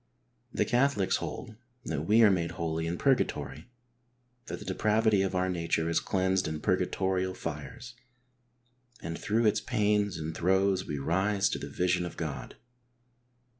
The Catholics hold that we are made holy in purgatory ; that the depravity of our nature is cleansed in purgatorial tires, and through its pains and throes we rise to the vision of God.